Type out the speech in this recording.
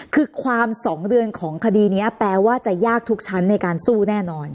คือความ๒เดือนของคดีนี้แปลว่าจะยากทุกชั้นในการสู้แน่นอน